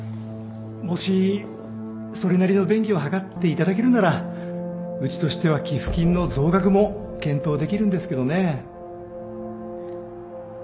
もしそれなりの便宜を図っていただけるならうちとしては寄付金の増額も検討できるんですけどね